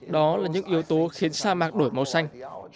đó là những yếu tố khiến sa mạc đổi màu xanh